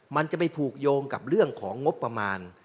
มันจะไปผูกโยงกับเรื่องของงบประมาณ